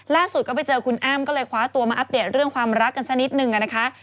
ล่าสุดก็ไปเจอคุณอ้ำก็เลยคว้าตัวมาอัปเดตเรื่องความรักกันสักนิดนึงนะคะ